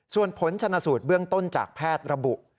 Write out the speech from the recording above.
ส่วนผลชนสูตรเบื้องต้นจากแพทย์ระบุ